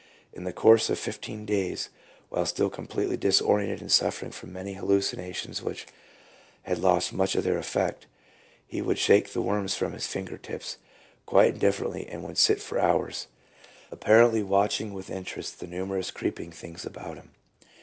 In the course of fifteen days, while still completely disoriented and suffering from many hallucinations which had lost much of their effect, he would shake the worms from his finger tips quite indifferently, and would sit for hours, apparently watching with interest the numerous creeping things about him.